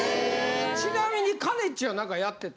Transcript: ちなみにかねちーは何かやってた？